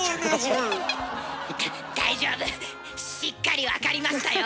大丈夫しっかりわかりましたよ。